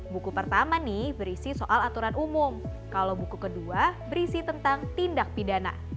buku pertama nih berisi soal aturan umum kalau buku kedua berisi tentang tindak pidana